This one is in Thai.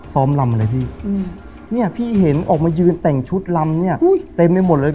ซ้อมลำอะไรพี่พี่เห็นออกมายืนแต่งชุดลำเนี่ยเต็มไปหมดแล้ว